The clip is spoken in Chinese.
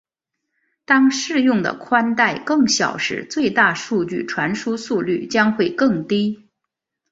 当适用的带宽更小时最大数据传输速率将会更低。